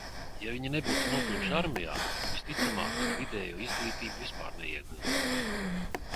Ja viņi nebūtu nokļuvuši armijā, visticamāk, viņi vidējo izglītību vispār neiegūtu.